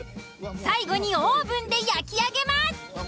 最後にオーブンで焼き上げます。